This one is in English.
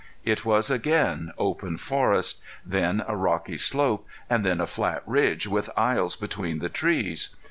It was again open forest, then a rocky slope, and then a flat ridge with aisles between the trees.